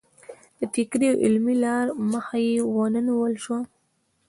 د فکري او علمي لار مخه یې ونه نیول شوه.